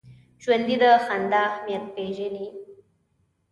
ژوندي د خندا اهمیت پېژني